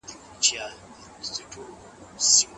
تاريخي او مفهومي برخې په ټولنپوهنه کې ما ته خوند ورکوي.